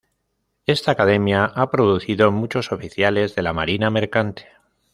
Esta academia ha producido muchos oficiales de la marina mercante.